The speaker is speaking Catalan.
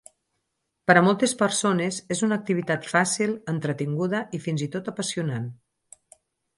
Per a moltes persones és una activitat fàcil, entretinguda i fins i tot apassionant.